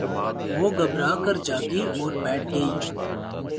وہ گھبرا کر جاگی اور بیٹھ گئی